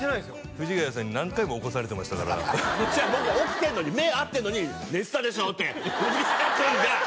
藤ヶ谷さんに何回も起こされてましたから違う僕は起きてんのに目合ってんのに「寝てたでしょ」って藤ヶ谷君が！